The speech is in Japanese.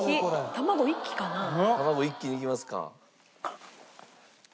卵一気にいきますか。